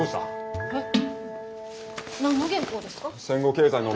えっ？